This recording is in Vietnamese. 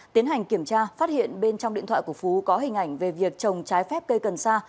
tiến hành kiểm tra phát hiện bên trong điện thoại của phú có hình ảnh về việc trồng trái phép cây cần sa